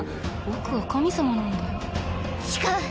僕は神様なんだよ違う。